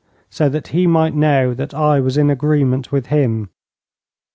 so that he might know that I was in agreement with him.